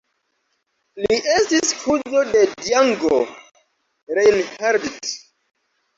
Li estis kuzo de Django Reinhardt.